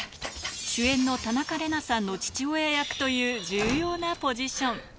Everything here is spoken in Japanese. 主演の田中麗奈さんの父親役という重要なポジション。